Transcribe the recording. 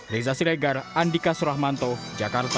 reza siregar andika suramanto jakarta